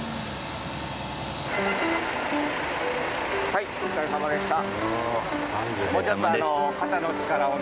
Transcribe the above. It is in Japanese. はいお疲れさまでした。